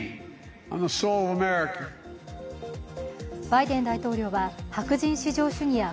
バイデン大統領は白人至上主義や